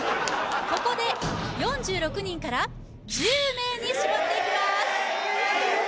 ここで４６人から１０名にしぼっていきます